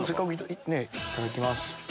いただきます。